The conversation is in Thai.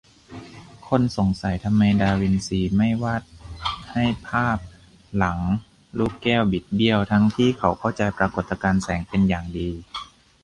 คนสงสัยทำไมดาวินซีไม่วาดให้ภาพหลังลูกแก้วบิดเบี้ยว ทั้งที่เขาเข้าใจปรากฏการณ์แสงเป็นอย่างดี